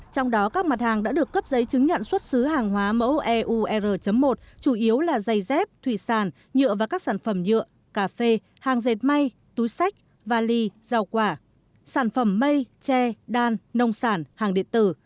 trong đó các mặt hàng đã được cấp giấy chứng nhận xuất xứ hàng hóa mẫu eu r một chủ yếu là dây dép thủy sàn nhựa và các sản phẩm nhựa cà phê hàng dệt may túi sách vali rau quả sản phẩm mây tre đan nông sản hàng điện tử